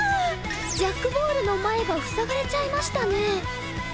ジャックボールの前が塞がれちゃいましたねえ。